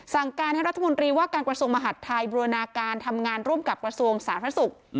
สั่งการให้รัฐมนตรีว่าการกระทรวงมหาดไทยบูรณาการทำงานร่วมกับกระทรวงสาธารณสุข